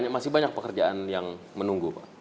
masih banyak pekerjaan yang menunggu pak